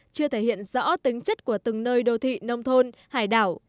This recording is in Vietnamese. chưa thể hiện rõ tính chất của từng nơi đô thị nông thôn hải đảo